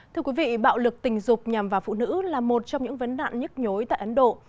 thưa quý vị bạo lực tình dục nhằm vào phụ nữ là một trong những vấn nạn nhức nhối tại ấn độ